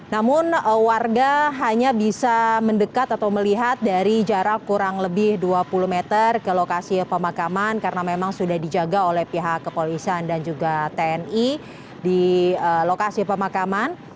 namun warga hanya bisa mendekat atau melihat dari jarak kurang lebih dua puluh meter ke lokasi pemakaman karena memang sudah dijaga oleh pihak kepolisian dan juga tni di lokasi pemakaman